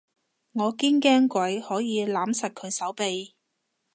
我堅驚鬼可以攬實佢手臂